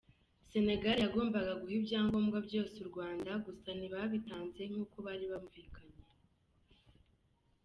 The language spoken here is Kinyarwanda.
Senegal yagombaga guha ibyangombwa byose u Rwanda, gusa ntibabitanze nk’uko bari bumvikanye.